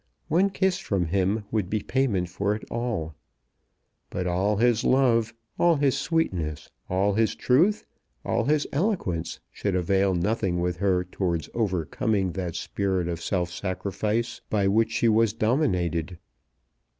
One kiss from him would be payment for it all. But all his love, all his sweetness, all his truth, all his eloquence should avail nothing with her towards overcoming that spirit of self sacrifice by which she was dominated.